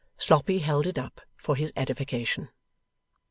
Sloppy held it up, for his edification.